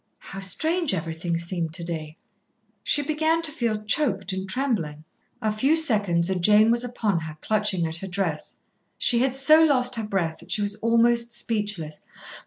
How strange everything seemed to day. She began to feel choked and trembling. A few seconds and Jane was upon her, clutching at her dress. She had so lost her breath that she was almost speechless.